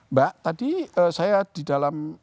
mbak tadi saya di dalam